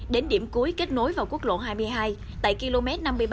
đến điểm cuối kết nối vào quốc lộ hai mươi hai tại km năm mươi ba tám trăm năm mươi